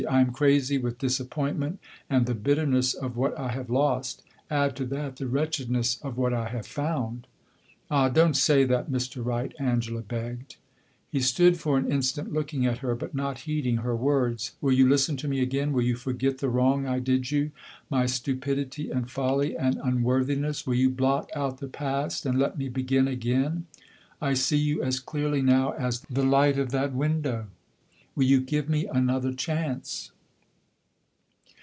I am crazy with disappointment and the bitterness of what I have lost. Add to that the wretchedness of what I have found!" "Ah, don't say that, Mr. Wright," Angela begged. He stood for an instant looking at her, but not heeding her words. "Will you listen to me again? Will you forget the wrong I did you? my stupidity and folly and unworthiness? Will you blot out the past and let me begin again. I see you as clearly now as the light of that window. Will you give me another chance?"